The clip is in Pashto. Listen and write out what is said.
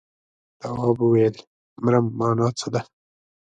تواب وويل: مرم مانا څه ده.